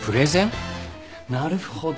なるほど。